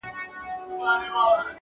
• لار یې کړه بدله لکه نه چي زېږېدلی وي -